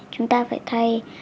chúng ta phải thay